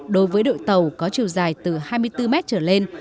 đối với đội tàu có chiều dài từ hai mươi bốn mét trở lên